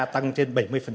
tăng trên bảy mươi